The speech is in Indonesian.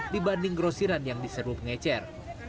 dibanding grosiran yang diserbu pengejar